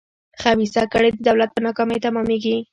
خبیثه کړۍ د دولت په ناکامۍ تمامېږي.